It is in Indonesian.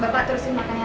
bapak terusin makan aja